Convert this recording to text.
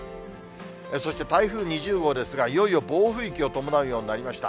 そして、台風２０号ですが、いよいよ暴風域を伴うようになりました。